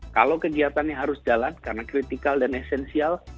kalau kegiatannya harus jalan karena kritikal dan esensial